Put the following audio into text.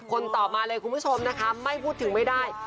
คนตอบมาเลยคุณผู้ชมนะคะไม่พูดถึงไม่ได้